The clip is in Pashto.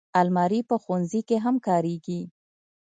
الماري په ښوونځي کې هم کارېږي